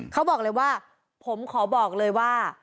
เขาบอกเลยว่าผมขอบอกเลยว่า